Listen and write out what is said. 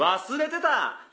忘れてた！